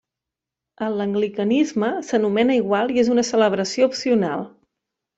En l'Anglicanisme s'anomena igual i és una celebració opcional.